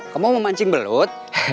kamu mau mancing belut